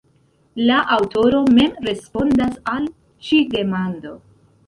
La aŭtoro mem respondas al ĉi demando.